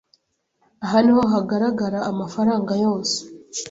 aha niho hagaragara amafaranga yose